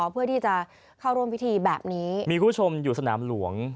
เพื่อที่จะเข้าร่วมพิธีแบบนี้มีคุณผู้ชมอยู่สนามหลวง